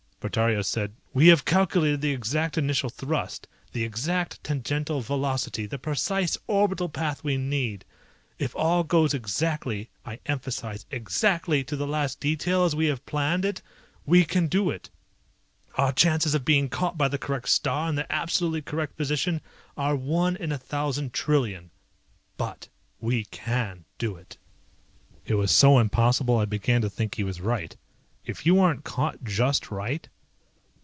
Portario said, "We have calculated the exact initial thrust, the exact tangential velocity, the precise orbital path we need. If all goes exactly, I emphasize, exactly, to the last detail as we have planned it we can do it! Our chances of being caught by the correct star in the absolutely correct position are one in a thousand trillion, but we can do it!" It was so impossible I began to believe he was right. "If you aren't caught just right?"